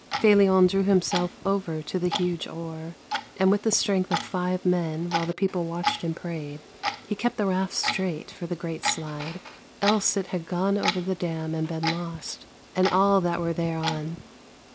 Felion drew himself over to the huge oar, and with the strength of five men, while the people watched and prayed, he kept the raft straight for the great slide, else it had gone over the dam and been lost, and all that were thereon.